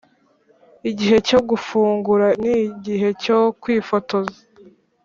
igihe cyo gufungura nigihe cyo kwifotoza.